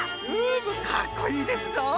うむかっこいいですぞ！